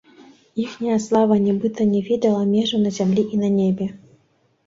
Іхняя слава нібыта не ведала межаў на зямлі і на небе.